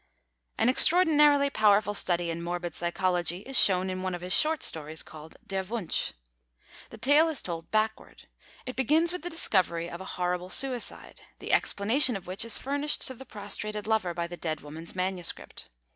An extraordinarily powerful study in morbid psychology is shown in one of his short stories, called Der Wunsch. The tale is told backward. It begins with the discovery of a horrible suicide, the explanation of which is furnished to the prostrated lover by the dead woman's manuscript.